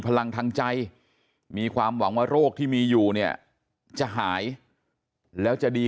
พลังทางใจมีความหวังว่าโรคที่มีอยู่เนี่ยจะหายแล้วจะดี